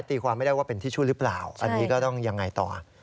ความไม่ได้ว่าเป็นทิชชู่หรือเปล่าอันนี้ก็ต้องยังไงต่อ